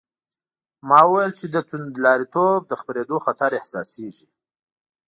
ما وویل چې د توندلاریتوب د خپرېدو خطر احساسېږي.